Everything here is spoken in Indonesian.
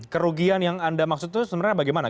kerugian yang anda maksud itu sebenarnya bagaimana